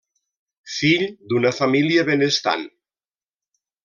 Fill d'una família benestant.